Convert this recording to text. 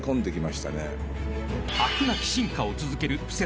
［飽くなき進化を続ける布施